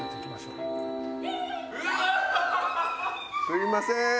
すみません。